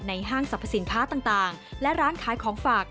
ห้างสรรพสินค้าต่างและร้านขายของฝาก